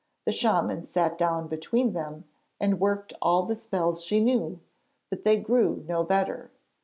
The shaman sat down between them and worked all the spells she knew, but they grew no better.